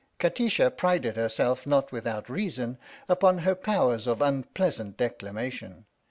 Kati sha prided herself, not without reason, upon her powers of unpleasant declamation.